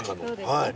はい。